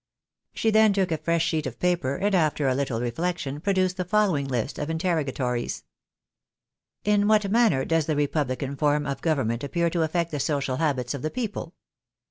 She then took a fresh sheet of paper, and after a little reflection produced the following fist of interrogatories :—." In what manner does the republican form of government appear to afiect the social habits of the people